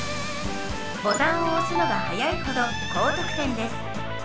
ボタンを押すのが早いほど高得点です。